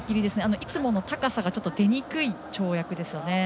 いつもの高さが出にくい跳躍ですよね。